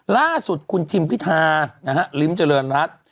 ล่าสุดคุณทิมพิธานะฮะลิ้มเจริญรัฐ